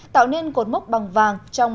tạo nên cột mốc bằng vàng